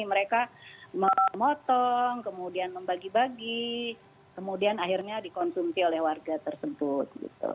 mereka memotong kemudian membagi bagi kemudian akhirnya dikonsumsi oleh warga tersebut